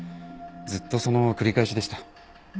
ずっとその繰り返しでした。